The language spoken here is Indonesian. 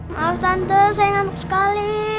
maaf tante saya ingat sekali